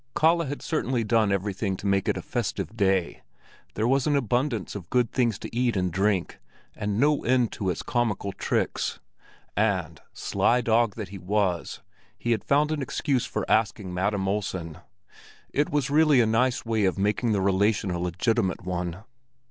Kalle had certainly done everything to make it a festive day; there was an abundance of good things to eat and drink, and no end to his comical tricks. And, sly dog that he was, he had found an excuse for asking Madam Olsen; it was really a nice way of making the relation a legitimate one.